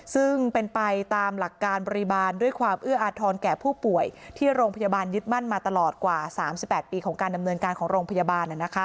ซึ่งเป็นไปตามหลักการบริบาลด้วยความเอื้ออาทรแก่ผู้ป่วยที่โรงพยาบาลยึดมั่นมาตลอดกว่า๓๘ปีของการดำเนินการของโรงพยาบาล